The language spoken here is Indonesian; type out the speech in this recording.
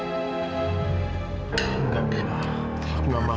kak mila aku gak mau